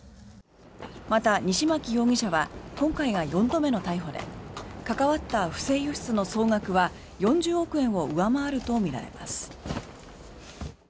また、西槇容疑者は今回が４度目の逮捕で関わった不正輸出の総額は４０億円を上回るとみられます。